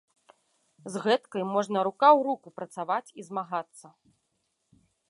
З гэткай можна рука ў руку працаваць і змагацца.